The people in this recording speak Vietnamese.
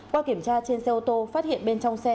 qua kiểm tra trên xe ô tô phát hiện bên trong xe